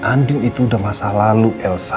andil itu udah masa lalu elsa